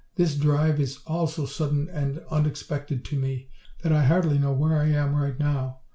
"This drive is all so sudden and unexpected, to me, that I hardly know where I am right now.